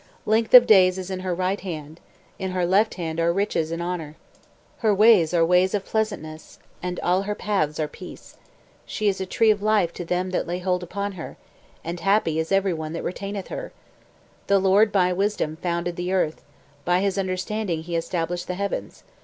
Length of days is in her right hand; In her left hand are riches and honour. Her ways are ways of pleasantness, And all her paths are peace. She is a tree of life to them that lay hold upon her: And happy is every one that retaineth her. The LORD by wisdom founded the earth; By understanding he established the heavens.